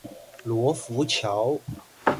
羅浮橋